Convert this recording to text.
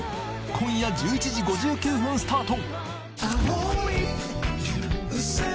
今夜１１時５９分スタート！